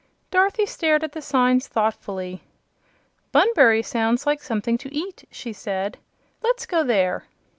Dorothy stared at the signs thoughtfully. "Bunbury sounds like something to eat," she said. "Let's go there."